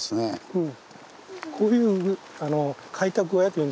うん。